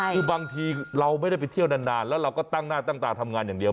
คือบางทีเราไม่ได้ไปเที่ยวนานแล้วเราก็ตั้งหน้าตั้งตาทำงานอย่างเดียว